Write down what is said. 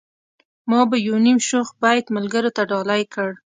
ما به يو نيم شوخ بيت ملګرو ته ډالۍ کړ.